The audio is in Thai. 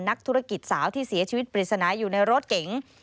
นักธุรกิจสาวที่เสียชีวิตปริศนาอยู่ในรถเก๋ง